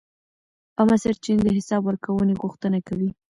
عامه سرچینې د حساب ورکونې غوښتنه کوي.